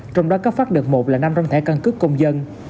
trong đó cấp phát được một là năm trăm linh thẻ căn cức công dân